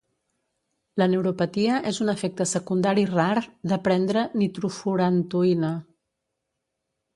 La neuropatia és un efecte secundari rar de prendre nitrofurantoïna.